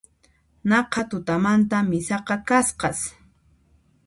Naqha tutamanta misaqa kasqas